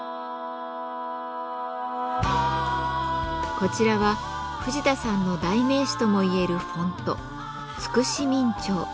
こちらは藤田さんの代名詞ともいえるフォント「筑紫明朝」。